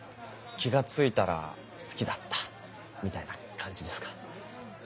気が付いたら好きだったみたいな感じですか。